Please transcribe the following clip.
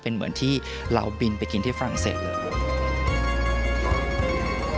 เป็นเหมือนที่เราบินไปกินที่ฝรั่งเศสเลย